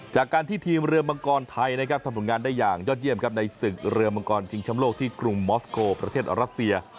จากการที่ทีมเรือมังกรไทยนะครับทำผลงานได้อย่างยอดเยี่ยมครับในศึกเรือมังกรชิงชำโลกที่กรุงมอสโกประเทศรัสเซีย